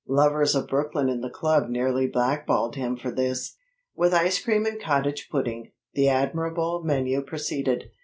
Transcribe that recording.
Lovers of Brooklyn in the club nearly blackballed him for this. With ice cream and cottage pudding, the admirable menu proceeded.